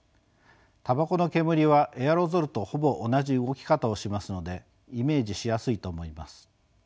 たばこの煙はエアロゾルとほぼ同じ動き方をしますのでイメージしやすいと思います。